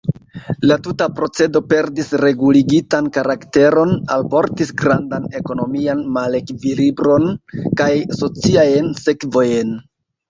La tuta procedo perdis reguligitan karakteron, alportis grandan ekonomian malekvilibron kaj sociajn sekvojn.